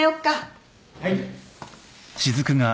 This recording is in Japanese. はい。